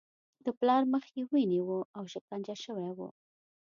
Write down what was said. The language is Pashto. د پلار مخ یې وینې و او شکنجه شوی و